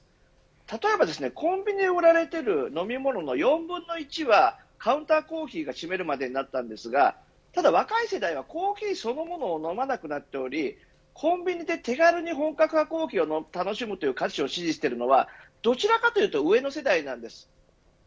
例えばコンビニで売られている飲み物の４分の１はカウンターコーヒーが占めるまでになったんですが若い世代はコーヒーそのものを飲まなくなっておりコンビニで手軽に本格派のコーヒーを楽しむという価値を支持しているのはどちらかというと上の世代なんです。